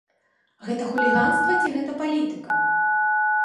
Гэта хуліганства ці гэта палітыка?